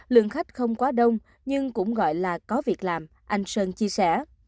lượng khách không quá đông nhưng cũng gọi là có việc làm anh sơn chia sẻ